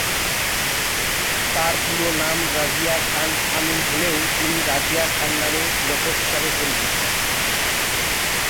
তার পুরো নাম রাজিয়া খান আমিন হলেও তিনি রাজিয়া খান নামে লেখক হিসেবে পরিচিত।